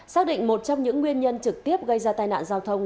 xác định một trong những nguyên nhân trực tiếp gây ra tai nạn giao thông